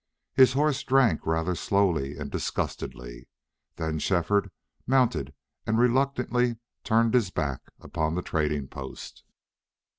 His horse drank rather slowly and disgustedly. Then Shefford mounted and reluctantly turned his back upon the trading post.